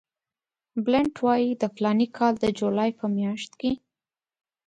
بلنټ وایي د فلاني کال د جولای په میاشت کې.